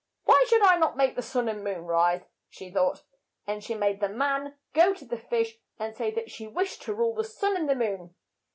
"Why should not I make the sun and moon rise ?'' she thought, and she made the man go to the fish and say that she wished to rule the sun and moon.